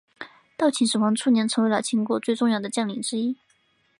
到秦始皇初年成为了秦国最重要的将领之一。